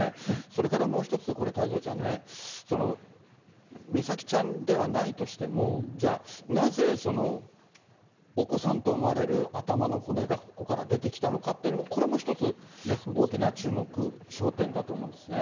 それからもう一つ、これ太蔵ちゃんね、美咲ちゃんではないとしても、じゃあ、なぜそのお子さんと思われる頭の骨がここから出てきたのかっていう、これも一つ、大きな注目、焦点だと思うんですね。